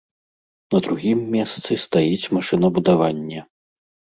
На другім месцы стаіць машынабудаванне.